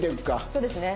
そうですね。